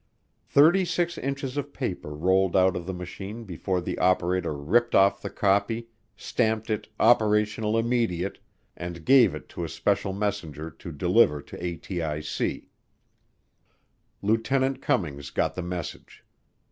Thirty six inches of paper rolled out of the machine before the operator ripped off the copy, stamped it Operational Immediate, and gave it to a special messenger to deliver to ATIC. Lieutenant Cummings got the message.